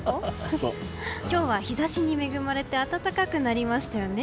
今日は日差しに恵まれて暖かくなりましたよね。